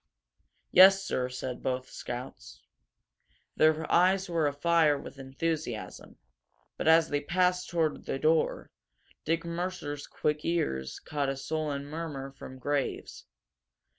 "Yes, sir," said both scouts. Their eyes were afire with enthusiasm. But as they passed toward the door, Dick Mercer's quick ears caught a sullen murmur from Graves.